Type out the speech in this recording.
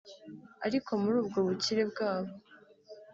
Ariko muri ubwo bukire bwabo